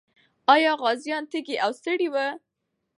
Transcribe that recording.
آیا غازیان تږي او ستړي وو؟